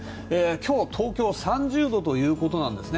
今日は東京３０度ということなんですね。